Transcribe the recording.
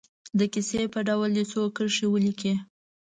د کیسې په ډول دې څو کرښې ولیکي.